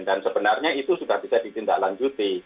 dan sebenarnya itu sudah bisa ditindaklanjuti